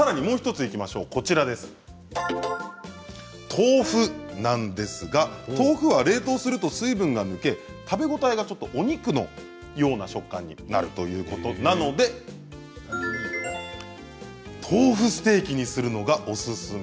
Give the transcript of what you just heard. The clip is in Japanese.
豆腐なんですが豆腐は冷凍すると水分が抜け食べ応えがお肉のような食感になるということなので豆腐ステーキにするのがオススメ。